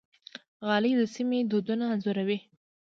غالۍ د سیمې دودونه انځوروي.